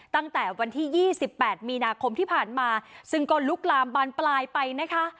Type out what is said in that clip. ตั้งแต่วันที่๒๘มีนาคมที่ผ่านมาซึ่งก็ลุกลามบานปลายไปนะคะ